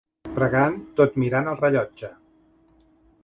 Pregant tot mirant el rellotge.